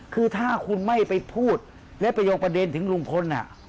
คือถ้าคุณไม่ไปพูดและไปโยงประเด็นถึงลุงพล